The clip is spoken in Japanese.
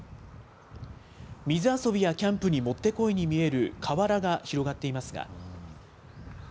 水遊びやキャンプにもってこいに見える河原が広がっていますが。